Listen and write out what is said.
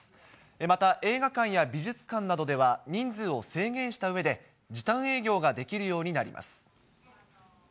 また映画館や美術館などでは、人数を制限したうえで、時短営業ができるようになります。